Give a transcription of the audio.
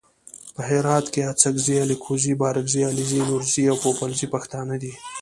په هرات کې اڅګزي الکوزي بارګزي علیزي نورزي او پوپلزي پښتانه دي.